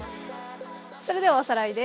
それではおさらいです。